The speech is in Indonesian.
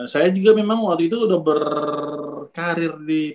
saya juga memang waktu itu sudah berkarir di